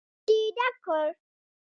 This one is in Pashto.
موټ يې ډک کړ.